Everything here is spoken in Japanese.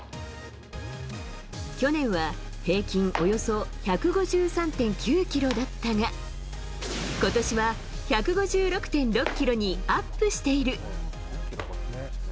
去年は平均およそ１５３．９キロだったが、ことしは１５６．６キロにアップしている。